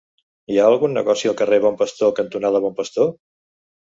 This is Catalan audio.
Hi ha algun negoci al carrer Bon Pastor cantonada Bon Pastor?